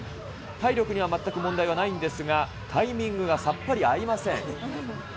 体力には全く問題はないんですが、タイミングがさっぱり合いません。